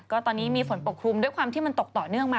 ก็ตอนนี้มีฝนปกครุมด้วยความที่มันตกต่อเนื่องมา